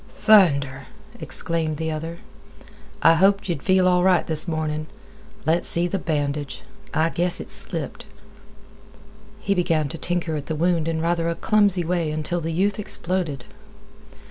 "Thunder!" exclaimed the other. "I hoped ye'd feel all right this mornin'. Let's see th' bandage—I guess it's slipped." He began to tinker at the wound in rather a clumsy way until the youth exploded.